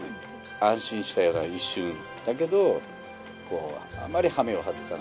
安心したような一瞬だけどあまり羽目を外さない。